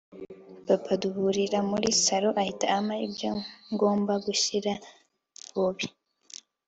papa duhurira muri salon ahita ampa ibyo ngomba gushyira bobi